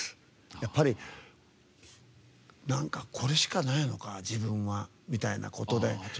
やっぱりなんか、これしかないのか自分は、みたいなことで。